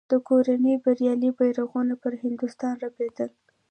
د کورنۍ بریالي بیرغونه پر هندوستان رپېدل.